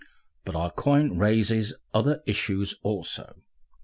But our coin raises other issues also.